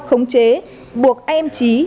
khống chế buộc em trí